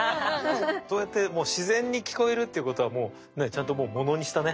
そうやってもう自然に聞こえるっていうことはもうちゃんと物にしたね。